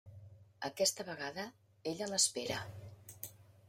Aquesta vegada, ella l'espera.